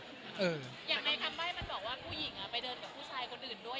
อย่างในคำไบ้บอกว่าผู้หญิงก็อยู่เวลาเดินกับผู้ชายคนอื่นด้วย